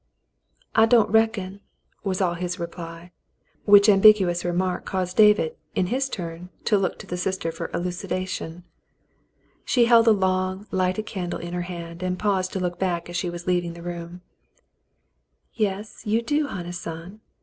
"I don't reckon," was all his reply, which ambiguous remark caused David, in his turn, to look to the sister for elucidation. She held a long, lighted candle in her hand, and paused to look back as she was leaving the room. "Yes, you do, honey son.